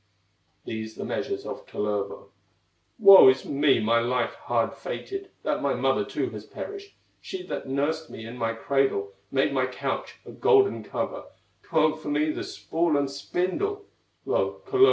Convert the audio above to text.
These the measures of Kullervo: "Woe is me, my life hard fated, That my mother too has perished, She that nursed me in my cradle, Made my couch a golden cover, Twirled for me the spool and spindle! Lo!